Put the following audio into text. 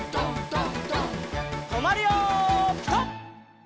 とまるよピタ！